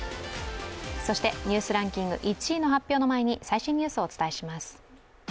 そして「ニュースランキング」１位の発表の前に最新ニュースをお伝えします。